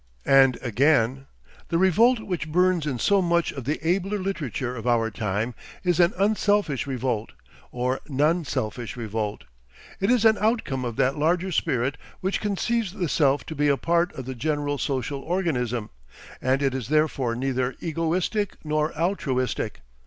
And again: "The revolt which burns in so much of the abler literature of our time is an unselfish revolt, or non selfish revolt: it is an outcome of that larger spirit which conceives the self to be a part of the general social organism, and it is therefore neither egoistic nor altruistic.